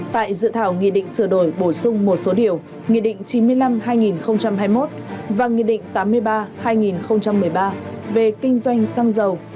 tại dự thảo nghị định sửa đổi bổ sung một số điều nghị định chín mươi năm hai nghìn hai mươi một và nghị định tám mươi ba hai nghìn một mươi ba về kinh doanh xăng dầu